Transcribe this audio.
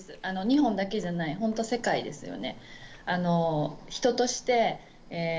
日本だけじゃない、本当に世界ですよね。